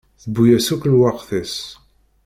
Tewwi-as akk lweqt-is.